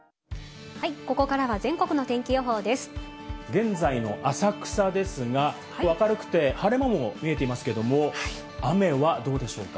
現在の浅草ですが、明るくて、晴れ間も見えていますけれども、雨はどうでしょうか？